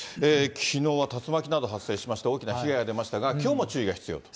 きのうは竜巻など発生しまして、大きな被害が出ましたが、きょうも注意が必要と。